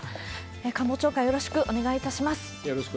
官房長官、よろしくお願いいたします。